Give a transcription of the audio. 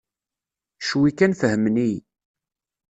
Cwi kan fehmen-iyi.